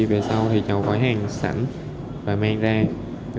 về sau thì cháu gói hàng sẵn và mang ra